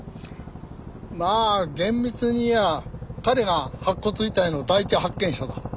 まあ厳密に言やあ彼が白骨遺体の第一発見者だ。